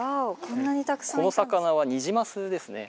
この魚はニジマスですね。